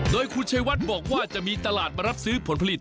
โดยคุณชัยวัดบอกว่าจะมีตลาดมารับซื้อผลผลิต